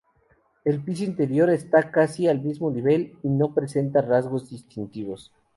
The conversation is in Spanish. El piso interior está casi al mismo nivel, y no presenta rasgos distintivos.